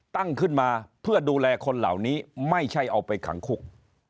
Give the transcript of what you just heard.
ตั้งขึ้นมาเพื่อดูแลคนเหล่านี้ไม่ใช่เอาไปขังคุก